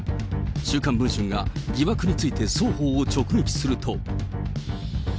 週刊文春が疑惑について双方を直撃すると。